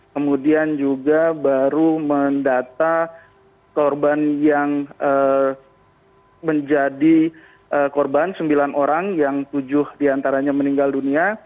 kemudian juga baru mendata korban yang menjadi korban sembilan orang yang tujuh diantaranya meninggal dunia